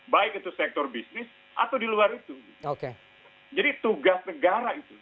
baik itu sektor bisnis atau di luar itu jadi tugas negara itu